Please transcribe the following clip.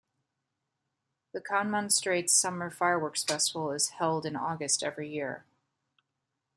The Kanmon Straits Summer Fireworks Festival is held in August every year.